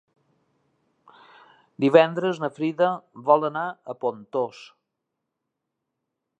Divendres na Frida vol anar a Pontós.